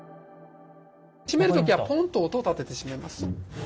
閉める時はトンと音を立てて閉めます。